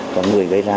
của người gây ra